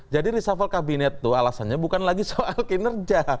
jadi reshuffle kabinet itu alasannya bukan lagi soal kinerja